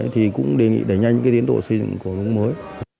thì cũng đề nghị đẩy nhanh cái tiến độ xây dựng cầu lông mới